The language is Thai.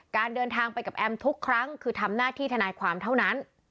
เดินทางไปกับแอมทุกครั้งคือทำหน้าที่ทนายความเท่านั้น